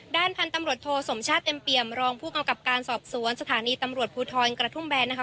ด้านพันธุ์ตำรวจโทสมชาติเต็มเปี่ยมรองผู้กำกับการสอบสวนสถานีตำรวจภูทรกระทุ่มแบนนะคะ